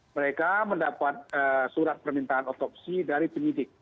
mereka mendapat surat permintaan otopsi dari penyidik